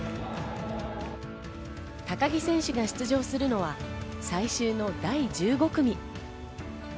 高木選手が出場するのは最終の第１５組。